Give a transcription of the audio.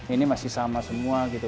ini masih sama semua gitu